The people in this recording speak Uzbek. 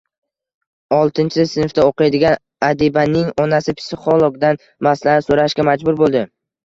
Oltinchi sinfda o‘qiydigan Adibaning onasi psixologdan maslahat so‘rashga majbur bo‘ldi.